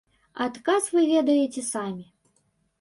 Адказ вы ведаеце самі.